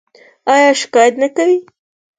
ایا شکایت نه کوئ؟